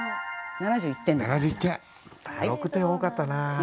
７１点６点多かったな。